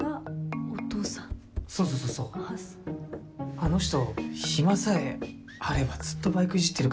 あの人暇さえあればずっとバイクいじってるからね。